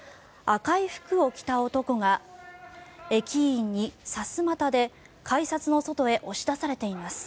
赤い服を着た男が駅員にさすまたで改札の外へ押し出されています。